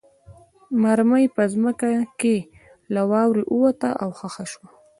مرمۍ په ځمکه کې له واورې ووته او خښه شوه